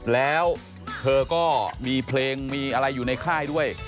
แล้วเธอก็มีเพลงมีอะไรอยู่ในค่ายด้วย